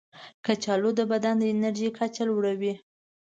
کچالو د بدن د انرژي کچه لوړوي.